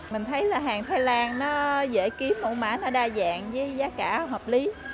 mình thấy là hàng thái lan nó dễ kiếm mẫu mã nó đa dạng với giá cả hợp lý